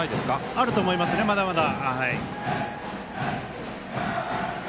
あると思います、まだまだ。